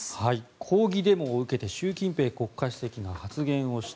抗議デモを受けて習近平国家主席が発言をした。